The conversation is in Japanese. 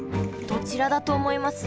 どちらだと思います？